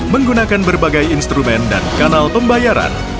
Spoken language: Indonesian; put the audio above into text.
menggunakan berbagai instrumen dan kanal pembayaran